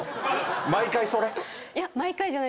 毎回それ？